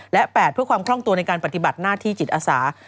และ๘เพื่อความคล่องตัวในการปฏิบัติหน้าที่จิตอาสา